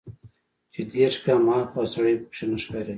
چې دېرش ګامه ها خوا سړى پکښې نه ښکارېده.